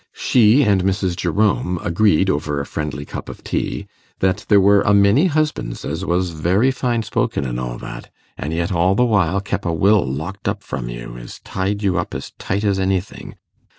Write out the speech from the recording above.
She and Mrs. Jerome agreed over a friendly cup of tea that there were 'a many husbands as was very fine spoken an' all that, an' yet all the while kep' a will locked up from you, as tied you up as tight as anything.